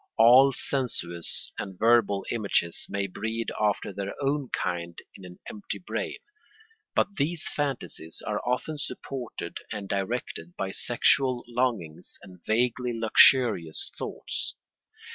All sensuous and verbal images may breed after their own kind in an empty brain; but these fantasies are often supported and directed by sexual longings and vaguely luxurious thoughts.